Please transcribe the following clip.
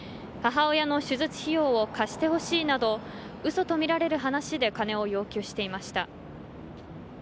母親の手術費用を貸してほしいなど嘘とみられる話で金を要求していました。